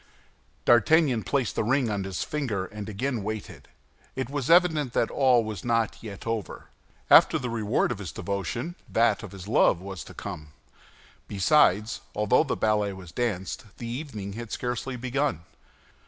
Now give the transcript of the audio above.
D'Artagnan placed the ring on his finger, and again waited; it was evident that all was not yet over. After the reward of his devotion, that of his love was to come. Besides, although the ballet was danced, the evening had scarcely begun.